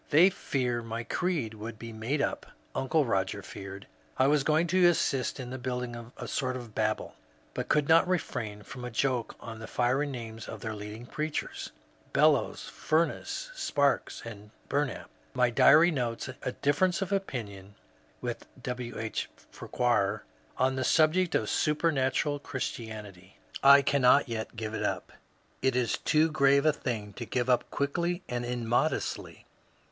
" They fear my creed will be made up." Uncle Roger feared I was going to assist in building a sort of Babel, but could not refrain &om a joke on the fiery names of their leading preachers, — Bel lows, Fumess, Sparks, and Bumap. My diary notes *^a difference of opinion [with W. H. Farquhar] on the subject of Supernatural Christianity. I cannot yet give it up. It is too grave a thing to give up quickly and immodestly.